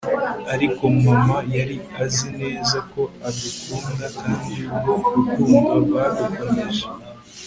ariko mama yari azi neza ko adukunda, kandi urwo rukundo rwadukomeje